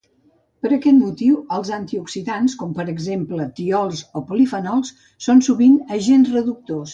Per aquest motiu els antioxidants, com per exemple tiols o polifenols, són sovint agents reductors.